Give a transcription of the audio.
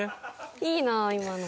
いいなあ今の。